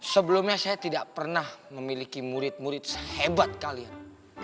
sebelumnya saya tidak pernah memiliki murid murid sehebat kalian